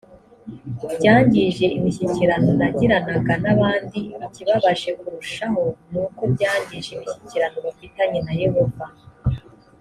byangije imishyikirano nagiranaga n abandi ikibabaje kurushaho ni uko byangije imishyikirano bafitanye na yehova